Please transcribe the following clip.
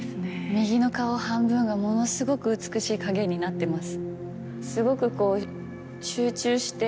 右の顔半分がものすごく美しい影になってます。